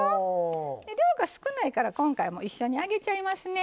量が少ないから今回一緒に揚げちゃいますね。